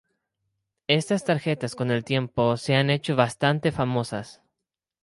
Estas tarjetas con el tiempo se han hecho bastante famosas.